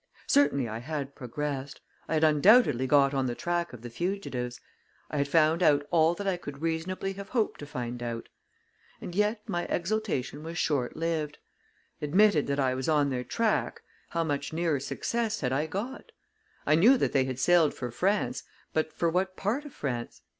Certainly I had progressed. I had undoubtedly got on the track of the fugitives; I had found out all that I could reasonably have hoped to find out. And yet my exultation was short lived. Admitted that I was on their track, how much nearer success had I got? I knew that they had sailed for France, but for what part of France?